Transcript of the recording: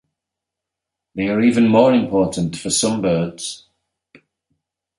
They are even more important for some birds.